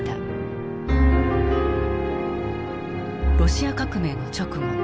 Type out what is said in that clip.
ロシア革命の直後